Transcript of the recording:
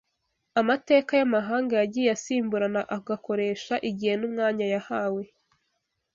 Amateka y’amahanga yagiye asimburana agakoresha igihe n’umwanya yahawe